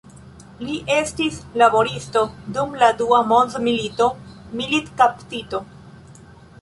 Li estis laboristo, dum la dua mondmilito militkaptito.